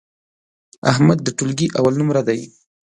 احمد د ټولگي اول نمره دی.